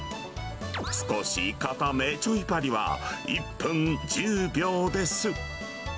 少し硬め、チョイパリは、１分１０秒です。